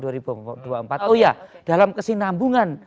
oh iya dalam kesinambungan